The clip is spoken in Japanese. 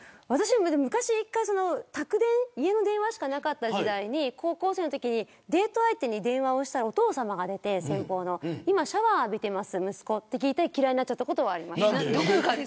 昔、家の電話しかなかった時代に高校生のときにデート相手に電話をしたらお父さまが出て今、息子はシャワーを浴びていますと聞いて嫌いになったことがあります。